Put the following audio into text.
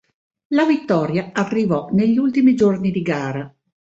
La vittoria arrivò negli ultimi giorni di gara.